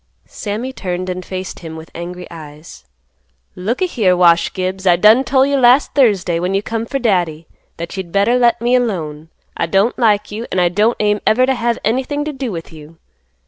Sammy turned and faced him with angry eyes; "Look a here, Wash Gibbs, I done tol' you last Thursday when you come for Daddy that you'd better let me alone. I don't like you, and I don't aim to ever have anything to do with you.